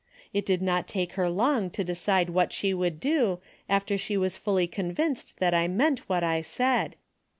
It did not take her long to decide what she would do after she was fully convinced that I meant what I said.